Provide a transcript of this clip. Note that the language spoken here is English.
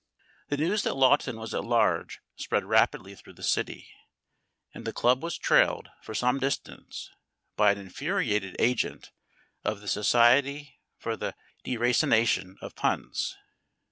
The news that Lawton was at large spread rapidly through the city, and the club was trailed for some distance by an infuriated agent of the Society for the Deracination of Puns.